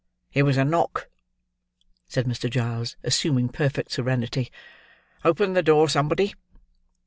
"It was a knock," said Mr. Giles, assuming perfect serenity. "Open the door, somebody."